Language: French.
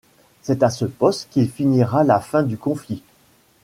C'est à ce poste qu'il finira la fin du conflit.